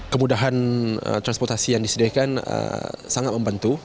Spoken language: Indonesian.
kemudahan transportasi yang disediakan sangat membantu